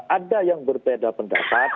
ada yang berbeda pendapat